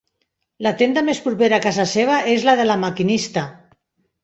La tenda més propera a casa seva és la de La Maquinista.